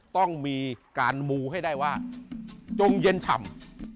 ต้องมีการมูให้ได้ว่าจงเย็นฉ่ำ